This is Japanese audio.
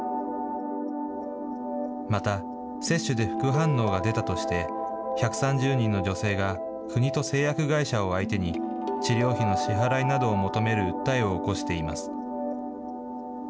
また、接種で副反応が出たとして、１３０人の女性が、国と製薬会社を相手に、治療費の支払いなどを求める訴えを起こしています。